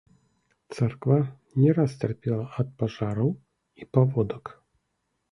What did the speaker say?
Царква не раз цярпела ад пажараў і паводак.